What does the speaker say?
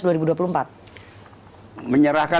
menyerahkan mungkin tidak ya